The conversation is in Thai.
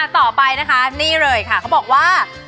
ต่อไปนะคะนี่เลยค่ะเขาบอกว่า